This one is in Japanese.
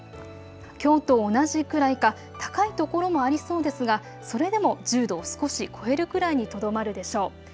きょうと同じくらいか高い所もありそうですが、それでも１０度を少し超えるくらいにとどまるでしょう。